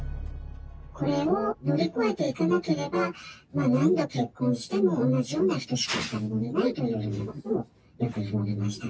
これを乗り越えていかなければ、何度結婚しても同じような人しか与えられないというようなことを、よく言われました。